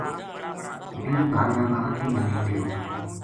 بیہہ بھادرا نا اِنھاں نے ڈیرو پَٹیو